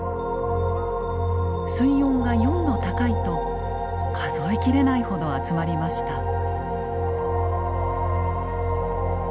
水温が４℃高いと数え切れないほど集まりました。